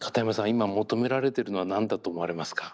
今求められてるのは何だと思われますか？